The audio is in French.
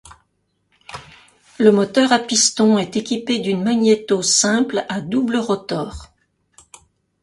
Le moteur à pistons est équipé d'une magnéto simple à double rotors.